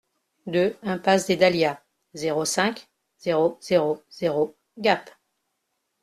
deux impasse des Dahlias, zéro cinq, zéro zéro zéro Gap